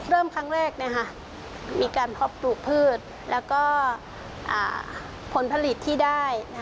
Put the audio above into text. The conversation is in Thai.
เริ่มครั้งแรกมีการเพาะปลูกพืชแล้วก็ผลผลิตที่ได้